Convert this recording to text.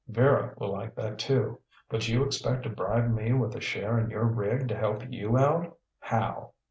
Vera will like that, too. But you expect to bribe me with a share in your rig to help you out. How?